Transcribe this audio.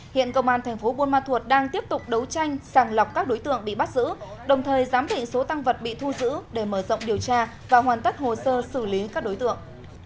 hiện công an thành phố buôn ma thuột đang tiếp tục đấu tranh sàng lọc các đối tượng bị bắt giữ đồng thời giám định số tăng vật bị thu giữ để mở rộng điều tra và hoàn tất hồ sơ xử lý các đối tượng